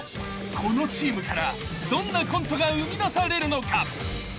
［このチームからどんなコントが生みだされるのか？］